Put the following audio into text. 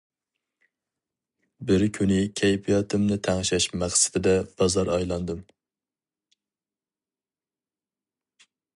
بىر كۈنى كەيپىياتىمنى تەڭشەش مەقسىتىدە بازا ئايلاندىم.